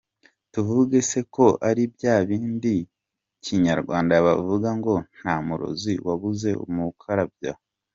Tuvuge se ko ari bya bindi mu kinyarwanda bavuga ngo ”Nta murozi wabuze umukarabya”?